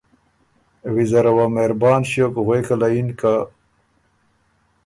ویزره وه مهربان ݭیوک غوېکه له یِن که